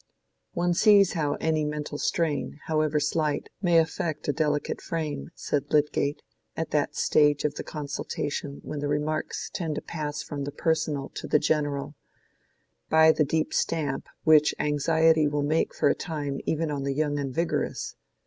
"One sees how any mental strain, however slight, may affect a delicate frame," said Lydgate at that stage of the consultation when the remarks tend to pass from the personal to the general, "by the deep stamp which anxiety will make for a time even on the young and vigorous.